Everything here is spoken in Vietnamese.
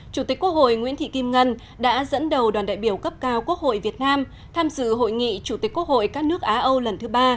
chủ tịch quốc hội nguyễn thị kim ngân đã dẫn đầu đoàn đại biểu cấp cao quốc hội việt nam tham dự hội nghị chủ tịch quốc hội các nước á âu lần thứ ba